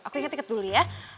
aku ingat tiket dulu ya